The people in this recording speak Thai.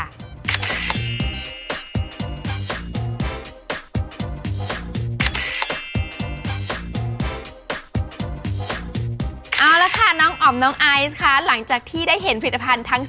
เอาละค่ะน้องอ๋อมน้องไอซ์ค่ะหลังจากที่ได้เห็นผลิตภัณฑ์ทั้ง๓